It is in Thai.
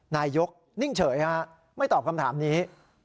นายกนิ่งเฉยไม่ตอบคำถามนี้